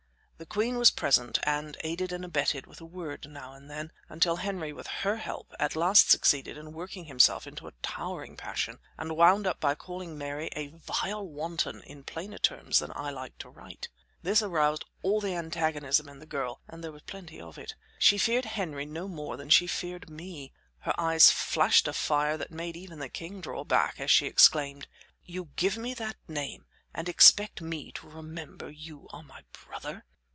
The queen was present and aided and abetted with a word now and then, until Henry, with her help, at last succeeded in working himself into a towering passion, and wound up by calling Mary a vile wanton in plainer terms than I like to write. This aroused all the antagonism in the girl, and there was plenty of it. She feared Henry no more than she feared me. Her eyes flashed a fire that made even the king draw back as she exclaimed: "You give me that name and expect me to remember you are my brother?